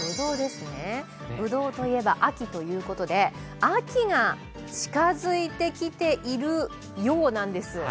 ぶどうといえば秋ということで、秋が近づいてきているようなんです。